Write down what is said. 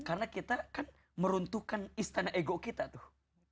karena kita kan meruntuhkan istana ego kita tuh